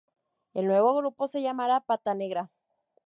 El nuevo grupo se llamará Pata Negra.